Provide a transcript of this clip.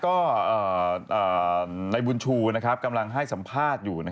ก่อนเป็นพ่อฝันก็ในบุญชูกำลังให้สัมภาษณ์อยู่